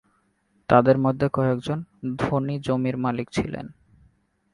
তাদের মধ্যে কয়েকজন ধনী জমির মালিক ছিলেন।